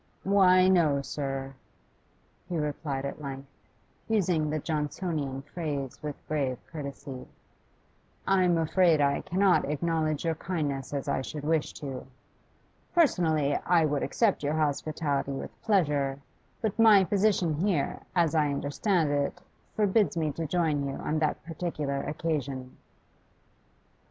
'Why, no, sir,' he replied at length, using the Johnsonian phrase with grave courtesy. 'I'm afraid I cannot acknowledge your kindness as I should wish to. Personally, I would accept your hospitality with pleasure, but my position here, as I understand it, forbids me to join you on that particular occasion.